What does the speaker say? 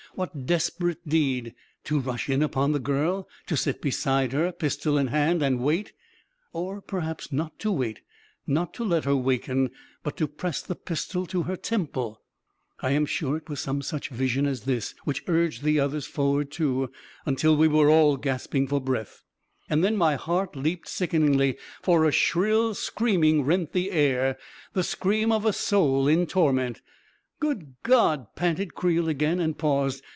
What desperate deed ? To rush in upon the girl ■— to sit beside her, pistol in hand, and wait •.. Or, perhaps, not to wait, not to let her waken, but to press the pistol to her temple .•. I am sure it was some such vision as this which urged the others forward, too, until we all were gasping for breath ... And then my heart leaped sickeningly, for a shrill screaming rent the air — the scream of a soul in torment .•." Good God 1 " panted Creel again, and paused.